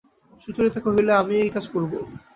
সুচরিতা কহিল, আমিও এই কাজ করব।